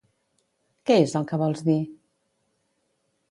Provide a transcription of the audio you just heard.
Què és el que vols dir?